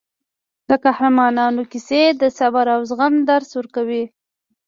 د قهرمانانو کیسې د صبر او زغم درس ورکوي.